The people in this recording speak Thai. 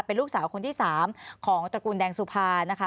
เป็นลูกสาวคนที่๓ของตระกูลแดงสุภานะคะ